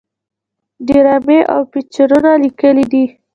ډرامې او فيچرونه ليکلي دي